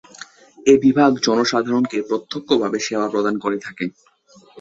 এ বিভাগ জনসাধারণকে প্রত্যক্ষভাবে সেবা প্রদান করে থাকে।